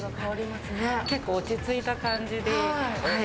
結構落ち着いた感じではい。